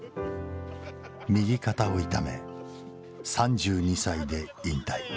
右肩を痛め３２歳で引退。